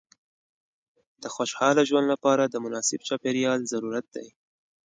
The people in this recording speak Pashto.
د خوشحاله ژوند لپاره د مناسب چاپېریال ضرورت دی.